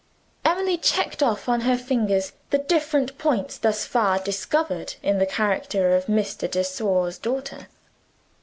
Emily checked off on her fingers the different points thus far discovered in the character of Mr. de Sor's daughter.